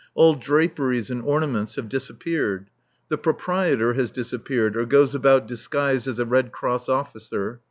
All draperies and ornaments have disappeared. The proprietor has disappeared, or goes about disguised as a Red Cross officer.